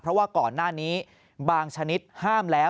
เพราะว่าก่อนหน้านี้บางชนิดห้ามแล้ว